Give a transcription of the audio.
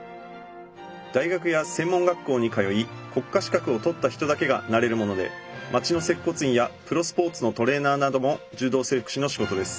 大学や専門学校に通い国家資格を取った人だけがなれるもので町の接骨院やプロスポーツのトレーナーなども柔道整復師の仕事です。